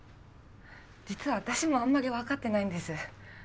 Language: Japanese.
実は私もあんまり分かってないんです。